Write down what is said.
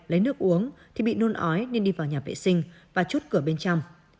lấy nước uống thì bị nun ói nên đi vào nhà vệ sinh và chút cửa bên trong